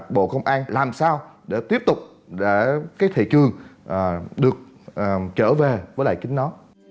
bộ công an làm sao để tiếp tục để cái thị trường được trở về với lại chính nó